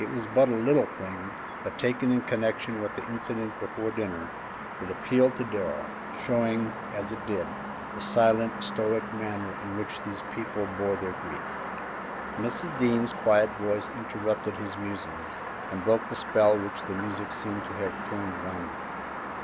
It was but a little thing, but taken in connection with the incident before dinner, it appealed to Darrell, showing, as it did, the silent, stoical manner in which these people bore their grief. Mrs. Dean's quiet voice interrupted his musings and broke the spell which the music seemed to have thrown around them.